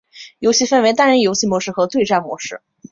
游戏分为单人游戏模式和对战模式。